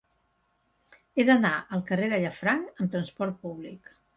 He d'anar al carrer de Llafranc amb trasport públic.